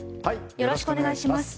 よろしくお願いします。